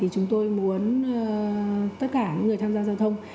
chúng tôi muốn tất cả những người tham gia giao thông